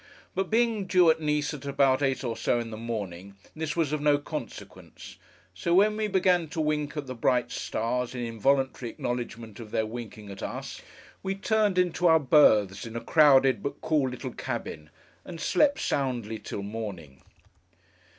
But being due at Nice at about eight or so in the morning, this was of no consequence; so when we began to wink at the bright stars, in involuntary acknowledgment of their winking at us, we turned into our berths, in a crowded, but cool little cabin, and slept soundly till morning.